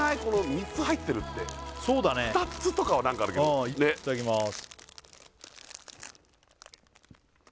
３つ入ってるってそうだね２つとかは何かあるけどうんいただきます